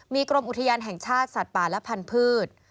มีกรมอุทยานแห่งชาติสัตว์ป่าและพันธุ์